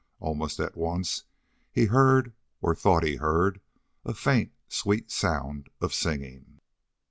Almost at once he heard, or thought he heard, a faint, sweet sound of singing.